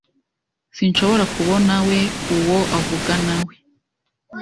Sinshobora kubonawe uwo avuganawe.